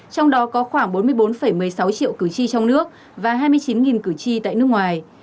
trong đó có khoảng bốn mươi bốn một mươi sáu triệu cử tri trong nước và hai mươi chín cử tri tại nước ngoài